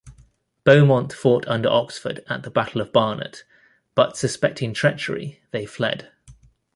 Beaumont fought under Oxford at the Battle of Barnet, but suspecting treachery, they fled.